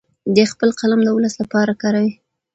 دی خپل قلم د ولس لپاره کاروي.